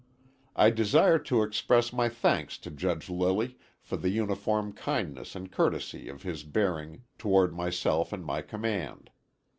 I desire to express my thanks to Judge Lilly for the uniform kindness and courtesy of his bearing toward myself and my command.